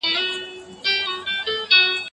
ستا دي حوري وي غلمان وي ماته پرېږده ګناهونه